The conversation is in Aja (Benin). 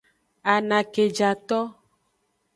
Anakejato.